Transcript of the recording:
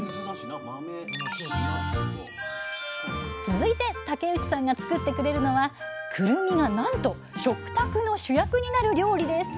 続いて竹内さんが作ってくれるのはくるみがなんと食卓の主役になる料理です